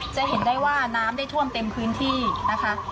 จะเห็นได้ว่าน้ำได้ท่วมเต็มพื้นที่นะคะ